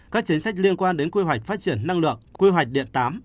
các chính sách liên quan đến quy hoạch phát triển năng lượng quy hoạch điện tám